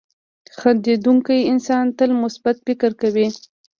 • خندېدونکی انسان تل مثبت فکر کوي.